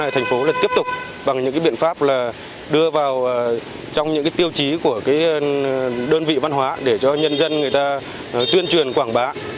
thành phố tiếp tục bằng những biện pháp là đưa vào trong những tiêu chí của đơn vị văn hóa để cho nhân dân người ta tuyên truyền quảng bá